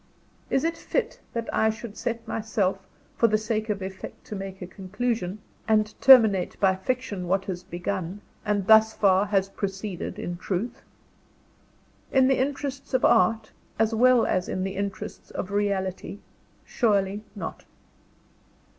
Is it fit that I should set myself, for the sake of effect, to make a conclusion, and terminate by fiction what has begun, and thus far, has proceeded in truth? In the interests of Art, as well as in the interests of Reality, surely not!